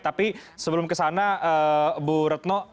tapi sebelum ke sana bu retno